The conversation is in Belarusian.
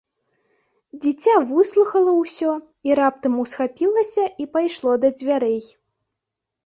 Дзіця выслухала ўсё і раптам усхапілася і пайшло да дзвярэй.